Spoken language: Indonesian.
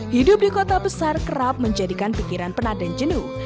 hidup di kota besar kerap menjadikan pikiran penat dan jenuh